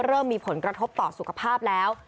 เริ่มมีผลกระทบต่อสุขภาพแล้ว